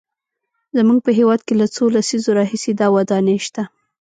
زموږ په هېواد کې له څو لسیزو راهیسې دا ودانۍ شته.